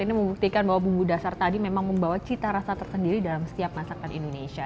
ini membuktikan bahwa bumbu dasar tadi memang membawa cita rasa tersendiri dalam setiap masakan indonesia